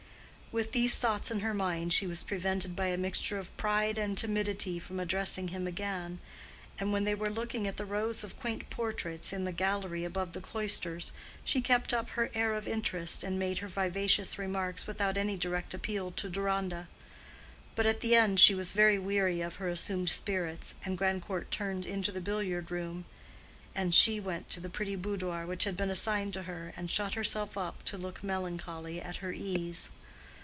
With these thoughts in her mind she was prevented by a mixture of pride and timidity from addressing him again, and when they were looking at the rows of quaint portraits in the gallery above the cloisters, she kept up her air of interest and made her vivacious remarks without any direct appeal to Deronda. But at the end she was very weary of her assumed spirits, and as Grandcourt turned into the billiard room, she went to the pretty boudoir which had been assigned to her, and shut herself up to look melancholy at her ease.